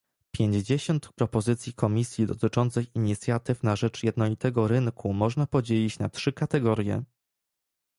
Pięćdziesiąt propozycji Komisji dotyczących inicjatyw na rzecz jednolitego rynku można podzielić na trzy kategorie